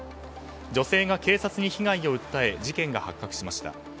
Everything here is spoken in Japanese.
女性が警察に被害を訴え事件が発覚しました。